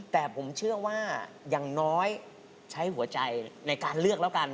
แต่ผมเชื่อว่าอย่างน้อยใช้หัวใจในการเลือกแล้วกัน